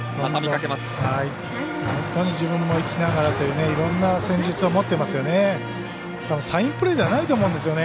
本当に自分もいきながらといういろんな戦術を持っていますよね。